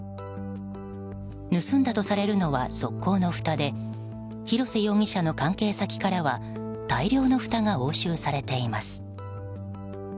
盗んだとされるのは側溝のふたで広瀬容疑者の関係先からは大量のふたが押収されています。